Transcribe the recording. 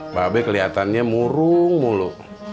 mba be keliatannya murung mulu